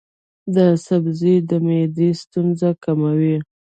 دا سبزی د معدې ستونزې کموي.